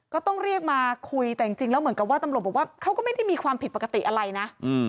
ก็ต้องเรียกมาคุยแต่จริงแล้วเหมือนกับว่าตำรวจบอกว่าเขาก็ไม่ได้มีความผิดปกติอะไรนะ